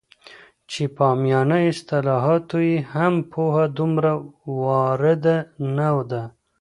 چې په عامیانه اصطلاحاتو یې هم پوهه دومره وارده نه ده